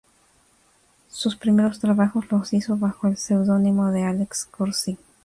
Sus primeros trabajos los hizo bajo el seudónimo de Alex Corsi.